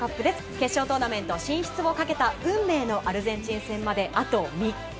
決勝トーナメント進出をかけた運命のアルゼンチン戦まであと３日。